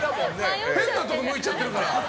変なところ向いちゃってるから。